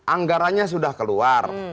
anggaranya sudah keluar